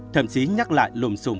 thậm chí nhắc lại lùm xùm